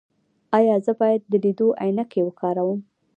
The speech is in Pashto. ایا زه باید د لیدلو عینکې وکاروم؟